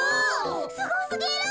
すごすぎる！